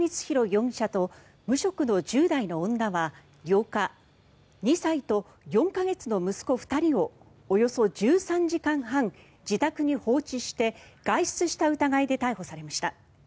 容疑者と無職の１０代の女は８日２歳と４か月の息子２人をおよそ１３時間半自宅に放置して外出した疑いで逮捕されました。